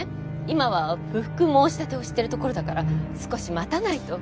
今は不服申立てをしてるところだから少し待たないと。